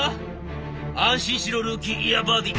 「安心しろルーキーいやバディ。